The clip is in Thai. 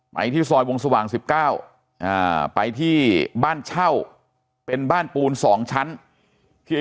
ที่ซอยวงสว่าง๑๙ไปที่บ้านเช่าเป็นบ้านปูน๒ชั้นที่